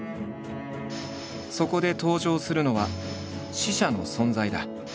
そこで登場するのは死者の存在だ。